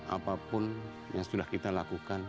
apapun yang sudah kita lakukan